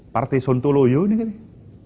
partai sontoloyo ini gak nih